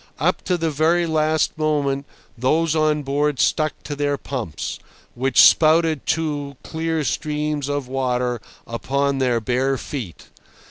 Up to the very last moment those on board stuck to their pumps, which spouted two clear streams of water upon their bare feet.